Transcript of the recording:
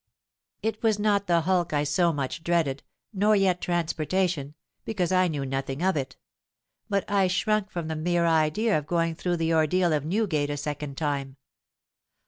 It was not the hulk I so much dreaded—nor yet transportation, because I knew nothing of it; but I shrunk from the mere idea of going through the ordeal of Newgate a second time.